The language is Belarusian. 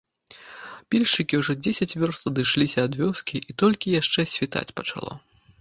Пільшчыкі ўжо дзесяць вёрст адышліся ад вёскі, а толькі яшчэ світаць пачало.